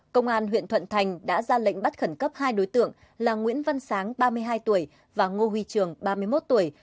công an huyện thuận thành đã ra lệnh bắt khẩn cấp hai đối tượng là nguyễn văn sáng ba mươi hai tuổi và ngô huy trường ba mươi một tuổi